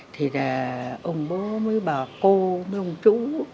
thì là ông bố mới bảo cô với ông chú